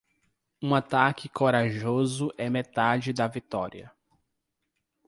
Um ataque corajoso é metade da vitória.